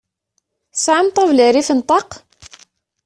Tesɛam ṭabla rrif n ṭaq?